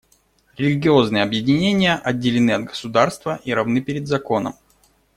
Религиозные объединения отделены от государства и равны перед законом.